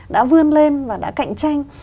đã vươn lên và đã cạnh tranh